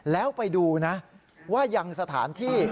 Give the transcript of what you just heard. แล้วไปดูนะว่ายังสถานที่